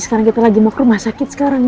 sekarang kita lagi mau ke rumah sakit sekarang